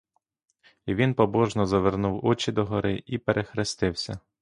І він побожно завернув очі догори і перехрестився.